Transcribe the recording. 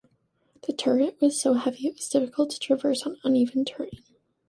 The turret was so heavy it was difficult to traverse on uneven terrain.